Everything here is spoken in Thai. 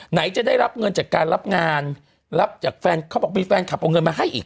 ไหนจะได้รับเงินจากการรับงานรับจากแฟนเขาบอกมีแฟนคลับเอาเงินมาให้อีก